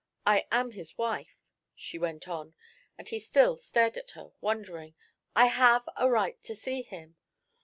I am his wife," she went on, as he still stared at her, wondering. "I have a right to see him."